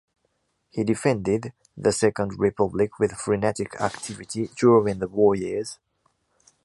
He defended the Second Republic with frenetic activity during the war years.